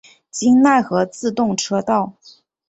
京奈和自动车道。